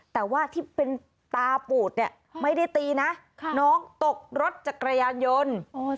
แต่ว่าที่เป็นตาปูดเนี่ยไม่ได้ตีนะน้องตกรถจักรยานยนต์